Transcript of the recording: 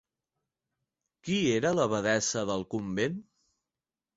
Qui era l'abadessa del convent?